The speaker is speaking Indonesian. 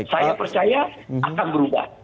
saya percaya akan berubah